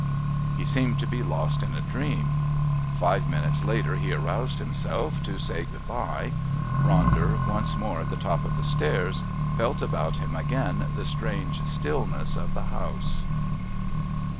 He seemed to be lost in a dream. Five minutes later he roused himself to say good bye. Ronder once more at the top of the stairs felt about him again the strange stillness of the house.